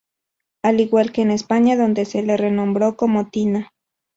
Al igual que en España donde se la renombró como "Tina".